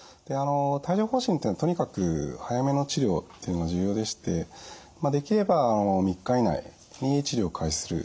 帯状ほう疹っていうのはとにかく早めの治療っていうのが重要でしてできれば３日以内に治療を開始するのがいいと思います。